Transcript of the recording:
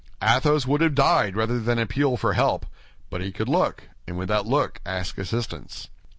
Athos would have died rather than appeal for help; but he could look, and with that look ask assistance.